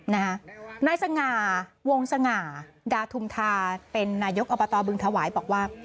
นายสง่าวงสง่าดาทุมธาเป็นนายกอบตบึงถวายบอกว่า